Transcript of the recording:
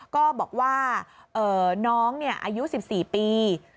ก็บอกว่าน้องอายุ๑๔ปี